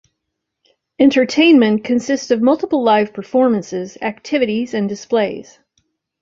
Entertainment consists of multiple live performances, activities and displays.